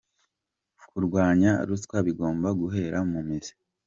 Kurwanya ruswa bigomba guhera mu mizi.